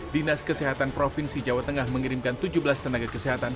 dinas kesehatan provinsi jawa tengah mengirimkan tujuh belas tenaga kesehatan